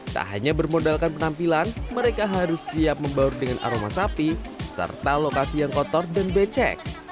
tak hanya bermodalkan penampilan mereka harus siap membaur dengan aroma sapi serta lokasi yang kotor dan becek